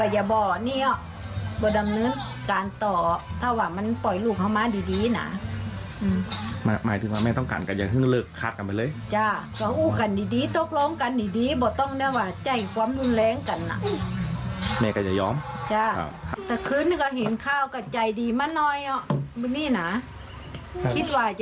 ให้ลูกสาวรับปากถ้าถ้าพี่มีชีวิตปากกว่าก็ตาย